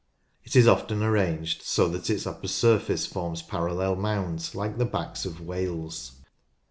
It is often arranged so that its upper surface forms parallel mounds like the backs of whales.